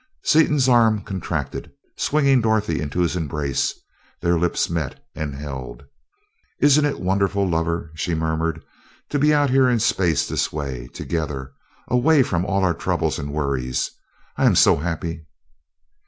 Seaton's arm contracted, swinging Dorothy into his embrace; their lips met and held. "Isn't it wonderful, lover," she murmured, "to be out here in space this way, together, away from all our troubles and worries? I am so happy."